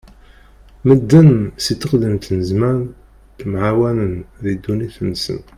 Medden si tteqdim n zzman ttemɛawanen di ddunit-nsen.